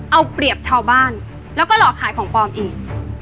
เอาเปรียบชาวบ้านแล้วก็หลอกขายของปลอมอีก